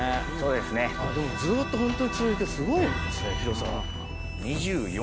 でもずっとホントに続いてすごいですね広さは？